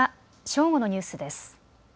正午のニュースです。